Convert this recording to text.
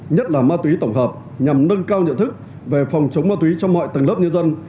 nhất là ma túy tổng hợp nhằm nâng cao nhận thức về phòng chống ma túy cho mọi tầng lớp nhân dân